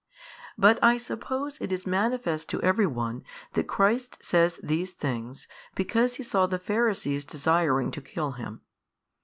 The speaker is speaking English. But I suppose it is |514 manifest to every one, that Christ says these things, because He saw the Pharisees desiring to kill Him.